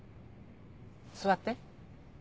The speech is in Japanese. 座って。